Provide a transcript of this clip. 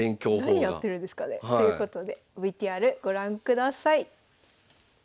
何やってるんですかね。ということでＶＴＲご覧ください。